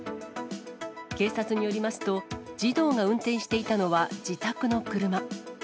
警察によりますと、自動が運転していたのは自宅の車。